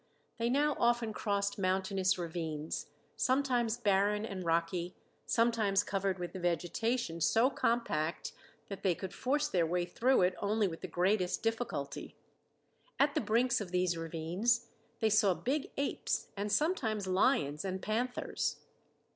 They now often crossed mountainous ravines, sometimes barren and rocky, sometimes covered with vegetation so compact that they could force their way through it only with the greatest difficulty. At the brinks of these ravines they saw big apes and sometimes lions and panthers.